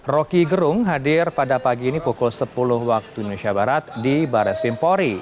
roky gerung hadir pada pagi ini pukul sepuluh waktu indonesia barat di bares krimpori